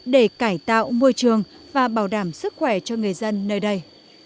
để cải tạo môi trường và bảo đảm sức khỏe cho người dân nơi đây